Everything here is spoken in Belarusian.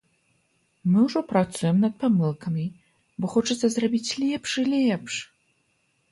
Мы ўжо працуем над памылкамі, бо хочацца зрабіць лепш і лепш.